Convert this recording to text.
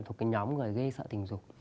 thuộc cái nhóm người gây sợ tình dục